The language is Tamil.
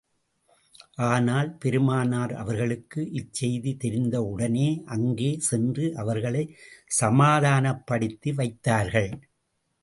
ஆனால், பெருமானார் அவர்களுக்கு இச்செய்தி தெரிந்து உடனே அங்கே சென்று அவர்களைச் சமாதானப்படுத்தி வைத்தார்கள்.